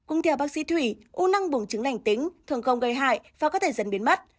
cùng theo bác sĩ thủy u năng buồng trứng lành tính thường không gây hại và có thể dần biến mất